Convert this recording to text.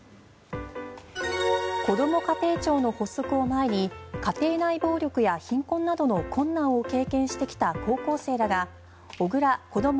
こども家庭庁の発足を前に家庭内暴力や貧困などの困難を経験してきた高校生らが小倉こども